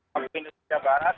waktu indonesia barat